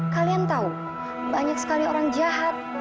kalian tahu banyak sekali orang jahat